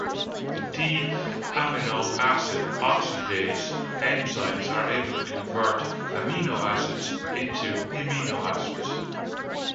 The D-amino acid oxidase enzymes are able to convert amino acids into imino acids.